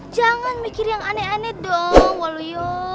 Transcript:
jangan mikir yang aneh aneh dong waluyo